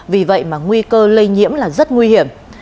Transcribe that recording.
vì vậy mà nguy cơ lây nhiễm là rất nguy hiểm